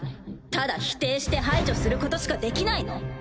ただ否定して排除することしかできないの？